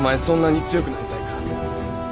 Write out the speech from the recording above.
そんなに強くなりたいか？